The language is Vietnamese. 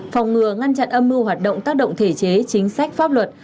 phòng ngừa ngăn chặn âm mưu hoạt động tác động thể chế chính sách pháp luật